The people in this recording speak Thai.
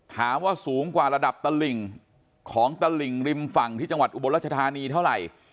ถามว่าสูงกว่าระดับตลิ่งของตลิ่งริมฝั่งที่จังหวัดอุบลรัชธานีเท่าไหร่